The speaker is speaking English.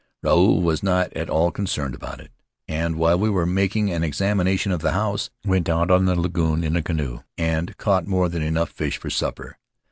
Ruau was not at all concerned about it, and, while we were making an examination of the house, went out on the lagoon in a canoe and caught more than enough fish for supper.